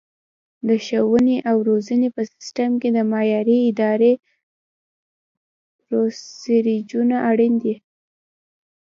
د ښوونې او روزنې په سیستم کې د معیاري ادرایې پروسیجرونه اړین دي.